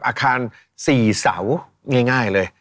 อาคาร๔เสาง่ายเลย